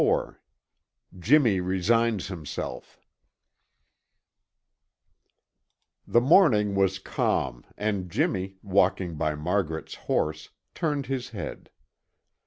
XXIV JIMMY RESIGNS HIMSELF The morning was calm and Jimmy, walking by Margaret's horse, turned his head.